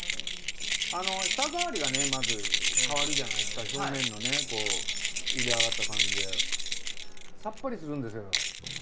舌触りがねまず変わるじゃないですか表面のこう茹で上がった感じでさっぱりするんですよ。